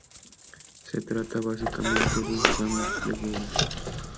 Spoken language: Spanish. Se trata básicamente de un sándwich de huevo.